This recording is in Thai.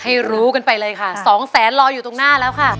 ให้รู้กันไปเลยค่ะสองแสนรออยู่ตรงหน้าแล้วค่ะ